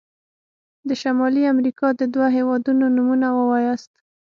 د شمالي امريکا د دوه هيوادونو نومونه ووایاست.